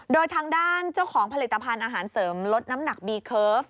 โดยทางด้านเจ้าของผลิตภัณฑ์อาหารเสริมลดน้ำหนักบีเคิร์ฟ